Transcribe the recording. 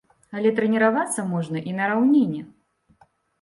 Але трэніравацца можна і на раўніне.